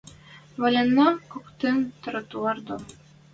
Валеннӓ коктын тротуар дон